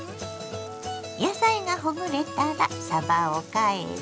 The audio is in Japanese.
野菜がほぐれたらさばを返し